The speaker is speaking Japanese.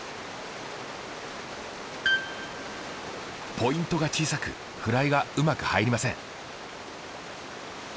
ポイントが小さくフライがうまく入りません。